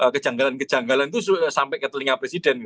kejanggalan kejanggalan itu sampai ke telinga presiden